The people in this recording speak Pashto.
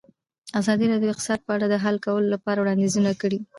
ازادي راډیو د اقتصاد په اړه د حل کولو لپاره وړاندیزونه کړي.